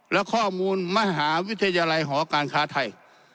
และข้อมูลมหาวิทยาลัยหอการค้าไทย